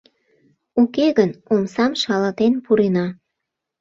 Уке гын, омсам шалатен пурена.